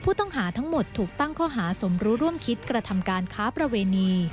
ผู้ต้องหาทั้งหมดถูกตั้งข้อหาสมรู้ร่วมคิดกระทำการค้าประเวณี